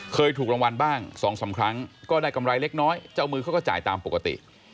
เคยถูกรางวัลบ้าง๒๓ครั้งก็ได้กำไรเล็กน้อยเจ้ามือเขาก็จ่ายตามปกติ